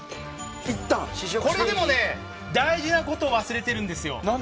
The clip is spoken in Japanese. でも大事なこと忘れてるんですよ。